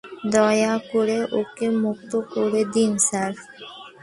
দয়া করে, ওকে মুক্ত করে দিন, স্যার।